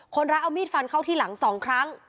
คนร้ายเอามีดฟันเข้าที่หลัง๒ครั้ง